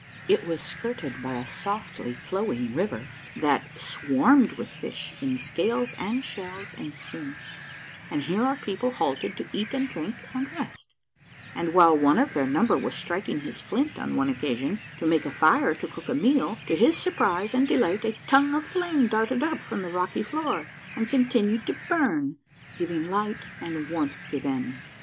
It was skirted by a softly floAving river that SAvarmed Avith fish in scales and shells and skin, and here our people halted to eat and drink and rest, and Avhile one of their number Avas striking his flint on one occasion to make a fire to cook a meal, to his surprise and delight a tongue of flame darted up from the rocky floor and continued to burn, giving light and Avarmth to them.